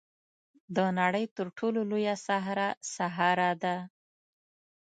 د نړۍ تر ټولو لویه صحرا سهارا ده.